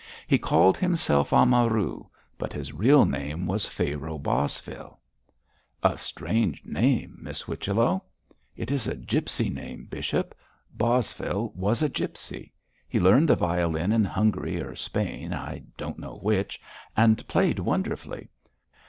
He called himself Amaru, but his real name was Pharaoh Bosvile.' 'A strange name, Miss Whichello.' 'It is a gipsy name, bishop. Bosvile was a gipsy. He learned the violin in Hungary or Spain, I don't know which, and played wonderfully.